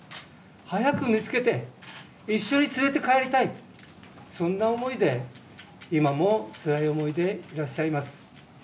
早く見つけて、一緒に連れて帰りたい、そんな思いで、今もつらい思いでいらっしゃいます。